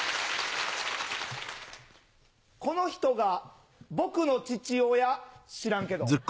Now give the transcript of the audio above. この人が僕の父親知らんけど。